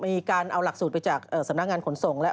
มีการเอาหลักสูตรไปจากสำนักงานขนส่งแล้ว